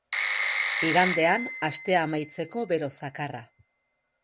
Igandean astea amaitzeko, bero zakarra.